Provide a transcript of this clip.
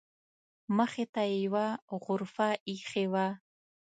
مخې ته یې یوه غرفه ایښې وه.